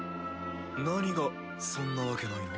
何がそんなわけないの？